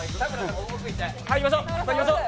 いきましょう。